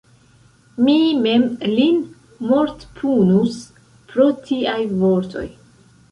Mi mem lin mortpunus pro tiaj vortoj!